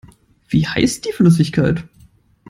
Wie heißt die Flüssigkeit?